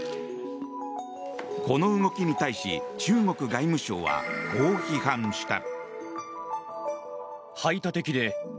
この動きに対し中国外務省はこう批判した。